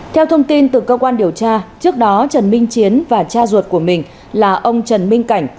theo thông tin từ cơ quan điều tra trước đó trần minh chiến và cha ruột của mình là ông trần minh cảnh